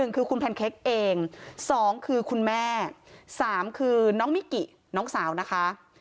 คือคุณแพนเค้กเอง๒คือคุณแม่๓คือน้องมิกิน้องสาวนะคะ